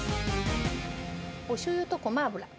おしょうゆとごま油。